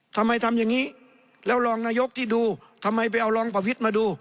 ทำอย่างนี้แล้วรองนายกที่ดูทำไมไปเอารองประวิทย์มาดู